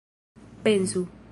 pensu